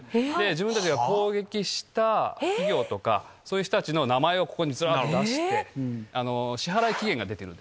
自分たちが攻撃した企業とか、そういう人たちの名前を、ここにずらーっと出なるほど。